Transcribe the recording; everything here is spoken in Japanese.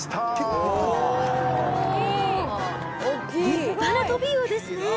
立派なトビウオですね。